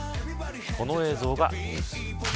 この映像がニュース。